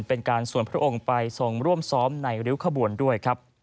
เป็นการส่วนพระองค์ไปทรงร่วมซ้อมในริ้วขบวนด้วยครับ